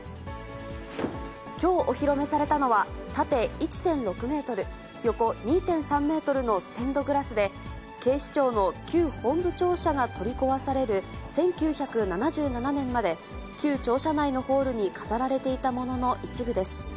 きょうお披露目されたのは、縦１．６メートル、横２．３メートルのステンドグラスで、警視庁の旧本部庁舎が取り壊される１９７７年まで、旧庁舎内のホールに飾られていたものの一部です。